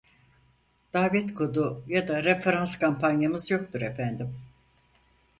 Davet kodu ya da referans kampanyamız yoktur efendim